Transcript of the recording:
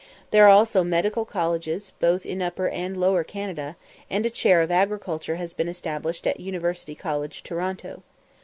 There are also medical colleges, both in Upper and Lower Canada, and a chair of agriculture has been established in University College, Toronto.